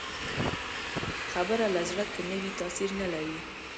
خبره له زړه که نه وي، تاثیر نه لري